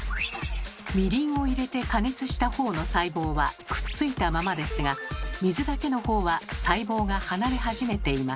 みりんを入れて加熱したほうの細胞はくっついたままですが水だけのほうは細胞が離れ始めています。